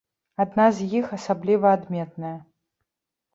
Адна з іх асабліва адметная.